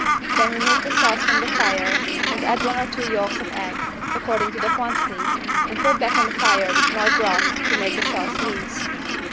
Then remove the sauce from the fire and add one or two yolks of egg, according to the quantity and put back on the fire with more broth to make the sauce loose.